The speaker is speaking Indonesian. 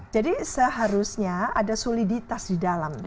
jadi seharusnya ada soliditas di dalam